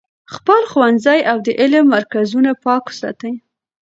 خپل ښوونځي او د علم مرکزونه پاک وساتئ.